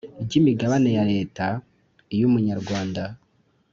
ry imigabane ya Leta iy umunyarwanda